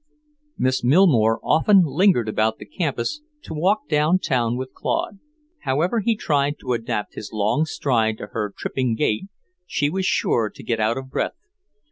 Miss Millmore often lingered about the campus to walk down town with Claude. However he tried to adapt his long stride to her tripping gait, she was sure to get out of breath.